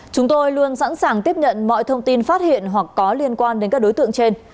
chúng tôi luôn sẵn sàng tiếp nhận mọi thông tin phát hiện hoặc có liên quan đến các đối tượng trên